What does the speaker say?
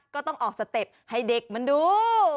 ก็ต้องออกสเต็ปให้เด็กมันดู